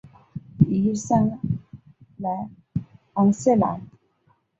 尼桑莱昂瑟兰。